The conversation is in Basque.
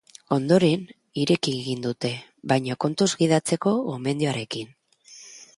Ondoren, ireki egin dute, baina kontuz gidatzeko gomendioarekin.